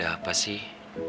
buat apa sih